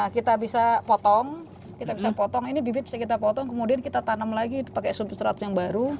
kita bisa potong ini bibit bisa kita potong kemudian kita tanam lagi pakai substratus yang baru